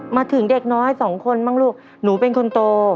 มาถึงเด็กน้อยสองคนบ้างลูกหนูเป็นคนโต